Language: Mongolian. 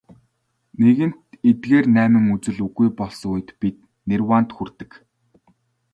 Нэгэнт эдгээр найман үзэл үгүй болсон үед бид нирваанд хүрдэг.